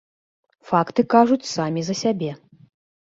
Факты кажуць самі за сябе.